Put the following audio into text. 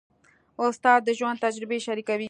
استاد د ژوند تجربې شریکوي.